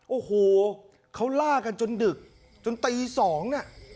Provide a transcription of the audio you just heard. โอ้โหเขาล่ากันจนดึกจนตี๒เนี่ย